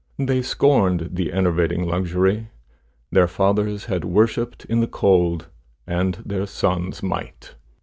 They scorned the enervating luxury! Their fathers had worshipped in the cold, and their sons might.